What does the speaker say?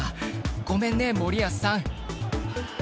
ごめんね、森保さん。